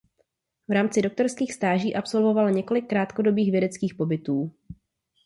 V rámci doktorských stáží absolvovala několik krátkodobých vědeckých pobytů.